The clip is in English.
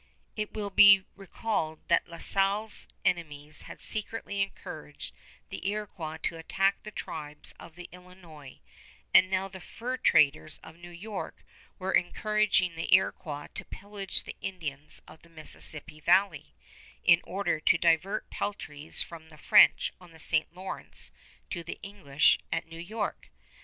It will be recalled that La Salle's enemies had secretly encouraged the Iroquois to attack the tribes of the Illinois; and now the fur traders of New York were encouraging the Iroquois to pillage the Indians of the Mississippi valley, in order to divert peltries from the French on the St. Lawrence to the English at New York.